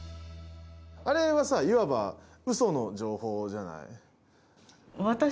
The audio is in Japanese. あれはさいわばうその情報じゃない。